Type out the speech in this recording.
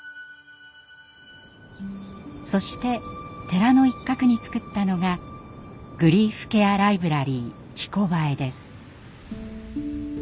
そして寺の一角に作ったのがグリーフケアライブラリー「ひこばえ」です。